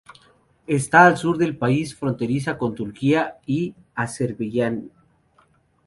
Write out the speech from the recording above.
Está al sur del país, fronteriza con Turquía y Azerbaiyán.